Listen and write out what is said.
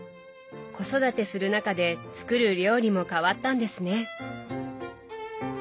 子育てする中で作る料理も変わったんですね。